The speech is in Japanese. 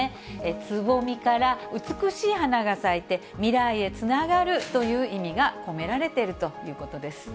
つぼみから美しい花が咲いて未来へつながるという意味が込められているということです。